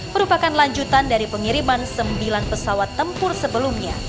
merupakan lanjutan dari pengiriman sembilan pesawat tempur sebelumnya